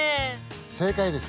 正解です！